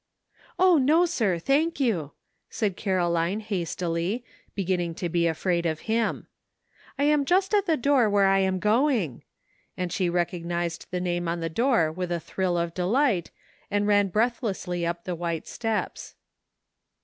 "O, no, sir! thank you," said Caroline hastily, beginning to be afraid of him. "I am just at the door where I am going," and she recognized the name on the door with a thrill of delight, and ran breathlessly up the white steps.